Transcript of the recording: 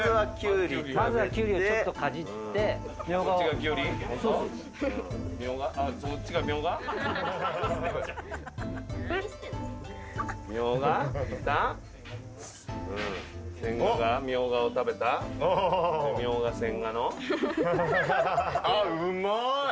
うまい。